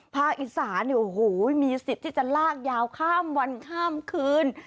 ภาคอีสานเนี่ยโอ้โหมีสิทธิ์ที่จะลากยาวข้ามวันข้ามคืน